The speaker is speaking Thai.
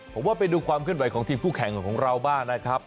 ผมว่าไปดูความเคลื่อนไหวของทีมคู่แข่งของเราบ้างนะครับ